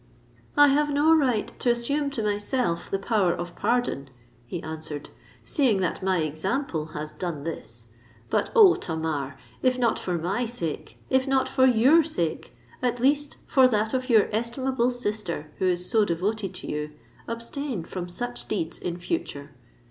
"I have no right to assume to myself the power of pardon," he answered; "seeing that my example has done this. But, oh! Tamar—if not for my sake—if not for your sake—at least for that of your estimable sister who is so devoted to you, abstain from such deeds in future!"